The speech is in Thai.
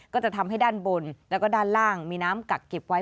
ก็จะทำให้ด้านบนแล้วก็ด้านล่างมีน้ำกักเก็บไว้